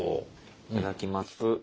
いただきます。